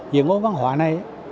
diện ngôn văn hóa này